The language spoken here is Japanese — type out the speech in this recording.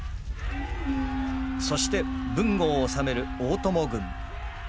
そして豊後を治める大友軍。